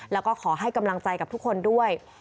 แล้วก็ขอให้กำลังใจกับทุกคนด้วย